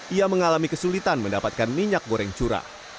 ia mengalami kesulitan mendapatkan minyak goreng curah